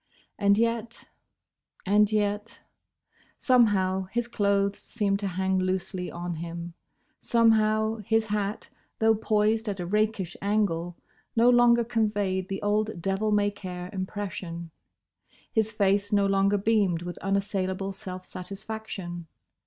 And yet—and yet—! Somehow, his clothes seemed to hang loosely on him. Somehow, his hat, though poised at a rakish angle, no longer conveyed the old devil may care impression. His face no longer beamed with unassailable self satisfaction.